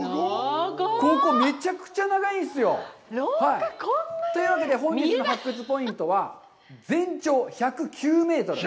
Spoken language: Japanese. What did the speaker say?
ここ、めちゃくちゃ長いんですよ！というわけで、本日の発掘ポイントは、全長１０９メートル！